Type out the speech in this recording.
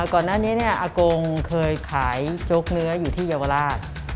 ก่อนหน้านี้อากงเคยขายโจ๊กเนื้ออยู่ที่เยาวราช